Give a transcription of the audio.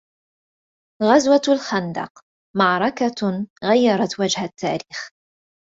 غزوة الخندق ـ معركة غيرت وجه التاريخ.